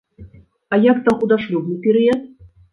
А як там у дашлюбны перыяд?